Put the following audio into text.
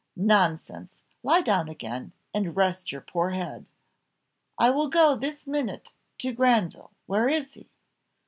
Nonsense! lie down again, and rest your poor head. I will go this minute to Granville. Where is he?"